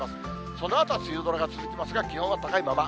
そのあとは梅雨空が続きますが、気温は高いまま。